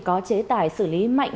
có chế tài xử lý mạnh